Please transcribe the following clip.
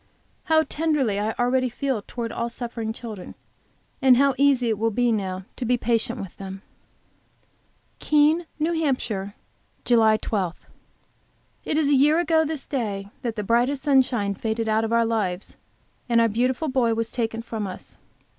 How tenderly I already feel towards all suffering children, and how easy it will be now to be patient with them! KEENE, N. H. JULY 12. It is a year ago this day that the brightest sunshine faded out of our lives, and our beautiful boy was taken from us.